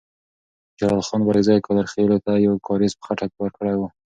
جلال خان بارکزی قادرخیلو ته یو کارېز په خټه ورکړی وو.